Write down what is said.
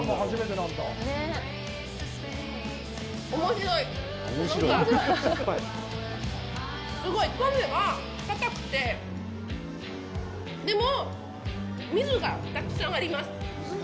なんかすごい種は硬くて、でも、水がたくさんあります。